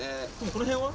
この辺は？